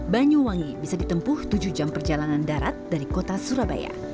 banyuwangi bisa ditempuh tujuh jam perjalanan darat dari kota surabaya